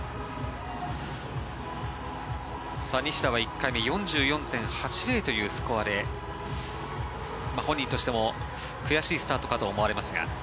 西田は１回目４４．８０というスコアで本人としても悔しいスタートかと思われますが。